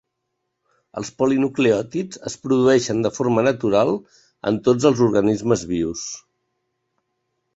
Els polinucleòtids es produeixen de forma natural en tots els organismes vius.